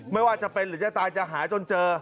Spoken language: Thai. ไม่ว่าจะเป็นหรือจะตายจะหายจนเจอ